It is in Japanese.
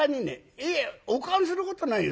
いやおかんすることないよ。